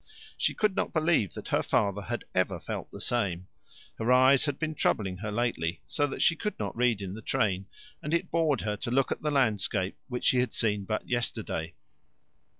She could not believe that her father had ever felt the same. Her eyes had been troubling her lately, so that she could not read in the train, and it bored her to look at the landscape, which she had seen but yesterday.